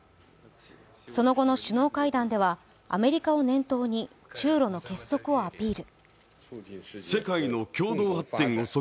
その後の首脳会談では、アメリカを念頭に中ロの結束をアピール。